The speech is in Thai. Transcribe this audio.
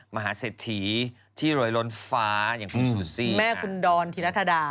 มหาเศรษฐีที่รวยล้นฟ้าอย่างคุณซูซี่แม่คุณดอนธิรัฐดา